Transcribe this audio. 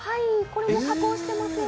これも加工していません。